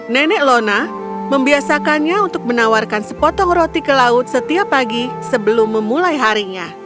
nenek lona membiasakannya untuk menawarkan sepotong roti ke laut setiap pagi sebelum memulai harinya